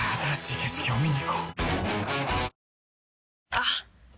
あっ！